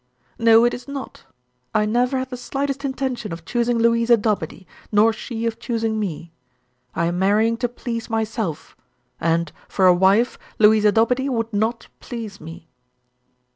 "No, it is not. I never had the slightest intention of choosing Louisa Dobede, nor she of choosing me. I am marrying to please myself, and, for a wife, Louisa Dobede would not please me."